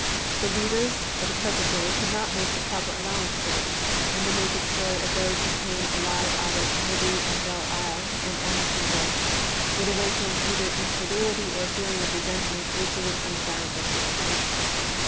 The readers of the present day could not make the proper allowance for them, and the naked story of those who came alive out of Libby and Belle Isle and Anderson ville would awaken either incredulity or a feeling of resentment which it is undesirable to excite.